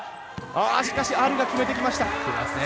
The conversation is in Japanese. しかしアルが決めてきました。